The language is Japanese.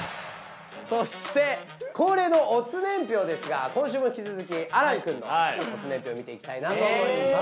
そして恒例の乙年表ですが今週も引き続き亜嵐くんの乙年表見ていきたいなと思います。